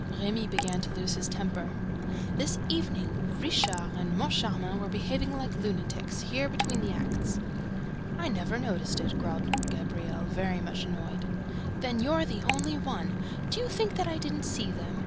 Remy began to lose his temper. "This evening, Richard and Moncharmin were behaving like lunatics, here, between the acts." "I never noticed it," growled Gabriel, very much annoyed. "Then you're the only one! ... Do you think that I didn't see them?